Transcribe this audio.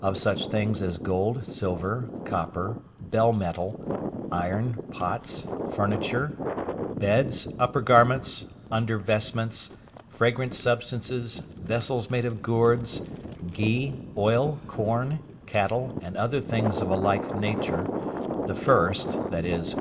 Of such things as gold, silver, copper, bell metal, iron, pots, furniture, beds, upper garments, under vestments, fragrant substances, vessels made of gourds, ghee, oil, corn, cattle, and other things of a like nature, the first, viz.